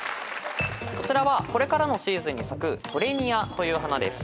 こちらはこれからのシーズンに咲くトレニアという花です。